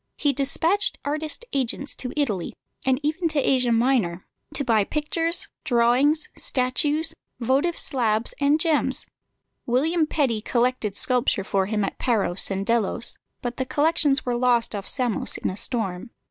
He despatched artist agents to Italy, and even to Asia Minor, to buy pictures, drawings, statues, votive slabs, and gems. William Petty collected sculpture for him at Paros and Delos, but the collections were lost off Samos in a storm.